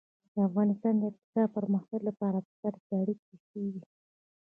د افغانستان د اقتصادي پرمختګ لپاره پکار ده چې اړیکې ښې وي.